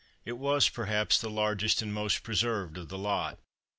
It was perhaps the largest and the most preserved of the lot.